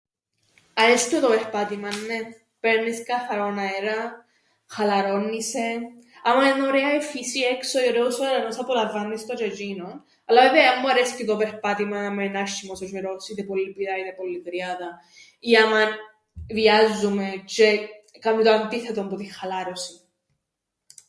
Αρέσκει μου το περπάτημαν, νναι, παίρνεις καθαρόν αέραν, χαλαρώννει σε, άμαν εν' ωραία η φύση έξω τζ̌αι ο τζ̌αιρός απολαμβάννεις το τζ̌αι τζ̌είνον, αλλά βέβαια εν μου αρέσκει το περπάτημαν άμαν εν άσ̆σ̆ημος ο τζ̌αιρός, είτε πολλή πυρά ή πολλή κρυάδα ή άμαν βιάζουμαι τζ̌αι κάμνει το αντίθετον που την χαλάρωσην.